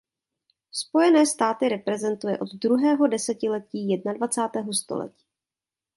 Spojené státy reprezentuje od druhého desetiletí jednadvacátého století.